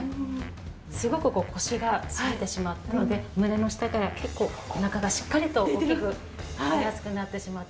すごく腰が反れてしまったので胸の下から結構お腹がしっかりと大きく出やすくなってしまっていますね。